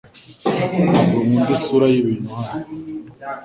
Ntabwo nkunda isura yibintu hano